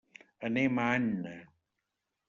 Anem a Anna.